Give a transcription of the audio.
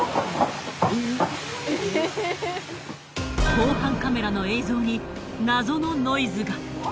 防犯カメラの映像に謎のノイズが。